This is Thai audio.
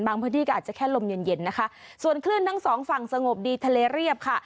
พื้นที่ก็อาจจะแค่ลมเย็นเย็นนะคะส่วนคลื่นทั้งสองฝั่งสงบดีทะเลเรียบค่ะ